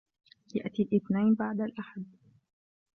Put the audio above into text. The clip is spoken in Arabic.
يأتي الاثنين بعد الأحد.